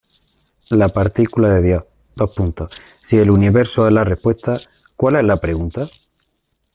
La partícula de Dios: si el universo es la respuesta, ¿cuál es la pregunta?